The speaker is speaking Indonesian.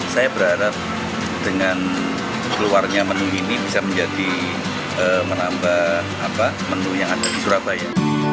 saya berharap dengan keluarnya menu ini bisa menjadi menambah menu yang ada di surabaya